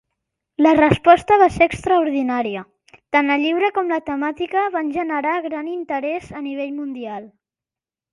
La resposta va ser extraordinària; tant el llibre com la temàtica van generar gran interès a nivell mundial.